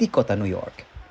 di kota new york